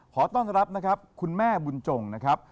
ขอต้อนรับนะครับคุณแม่บุญจงนะครับ